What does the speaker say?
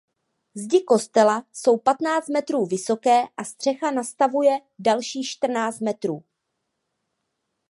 Zdi kostela jsou patnáct metrů vysoké a střecha nastavuje dalších čtrnáct metrů.